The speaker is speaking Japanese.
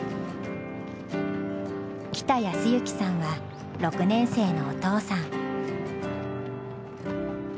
北泰之さんは６年生のお父さん。